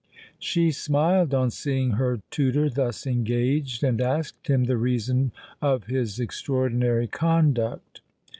1 She smiled on seeing her tutor thus engaged, and asked him the reason of his extraordinary conduct.